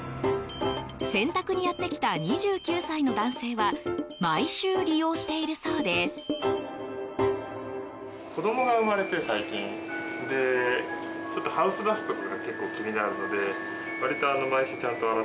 洗濯にやってきた２９歳の男性は毎週、利用しているそうです。